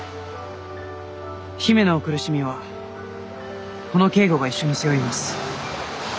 姫のお苦しみはこの京吾が一緒に背負います。